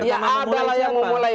ya adalah yang memulai